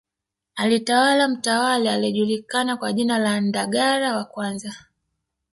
Alitawala mtawala aliyejulikana kwa jina la Ndagara wa kwanza